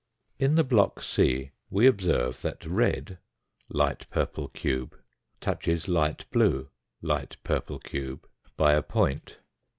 In the block C we observe that red (light purple cube) touches light blue (light purple cube) by a point.